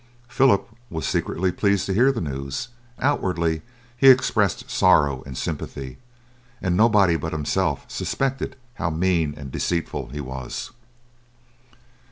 Philip was secretly pleased to hear the news, outwardly he expressed sorrow and sympathy, and nobody but himself suspected how mean and deceitful he was.